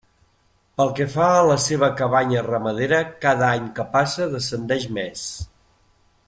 Pel que fa a la seva cabanya ramadera cada any que passa descendeix més.